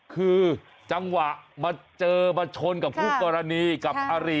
คือจังหวะมาเจอมาชนกับคู่กรณีกับอาริ